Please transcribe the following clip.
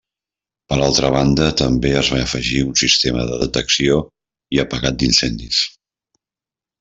Per altra banda també es va afegir un sistema de detecció i apagat d'incendis.